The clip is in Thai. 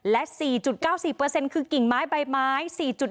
และ๔๙๔คือกิ่งไม้ใบไม้๔๗